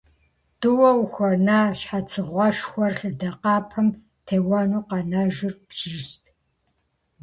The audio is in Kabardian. ТӀууэ ухуэна щхьэцыгъуэшхуэр лъэдакъэпэм теуэным къэнэжыр бжьизт.